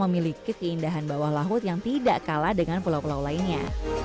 memiliki keindahan bawah laut yang tidak kalah dengan pulau pulau lainnya